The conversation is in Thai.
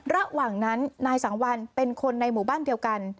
ระหว่างนั้นนายสังวัลเป็นคนในหมู่บ้านเดียวกัน